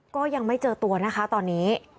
ก็ยังไม่เจอตัวนะคะตอนนี้